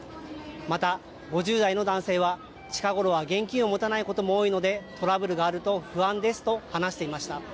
また５０代の男性は近頃は現金を持たないことも多いのでトラブルがあると不安ですと話していました。